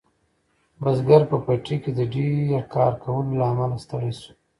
بزګر په پټي کې د ډیر کار کولو له امله ستړی شو.